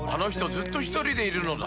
ずっとひとりでいるのだ